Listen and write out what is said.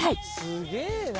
すげえな！